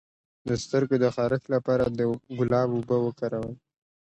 د سترګو د خارښ لپاره د ګلاب اوبه وکاروئ